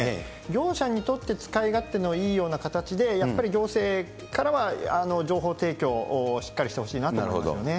業者にとって使い勝手のいいような形で、やっぱり行政からは情報提供をしっかりしてほしいなと思いますね。